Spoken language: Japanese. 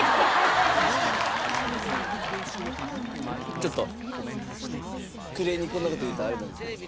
ちょっと暮れにこんな事言うとあれなんですけども。